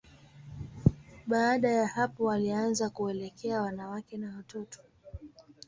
Baada ya hapo, walianza kuelekea wanawake na watoto.